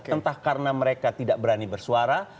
entah karena mereka tidak berani bersuara